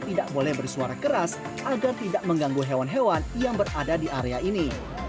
tidak boleh bersuara keras agar tidak mengganggu hewan hewan yang berada di area ini